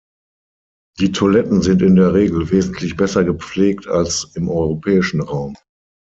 Die Toiletten sind in der Regel wesentlich besser gepflegt als im europäischen Raum.